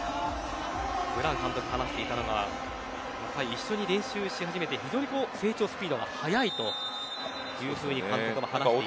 ブラン監督が話していたのは一緒に練習し始めて非常に成長スピードが速いというふうに監督も話しています。